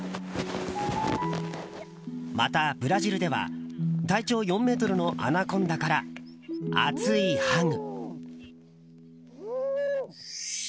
また、ブラジルでは体長４ｍのアナコンダから熱いハグ。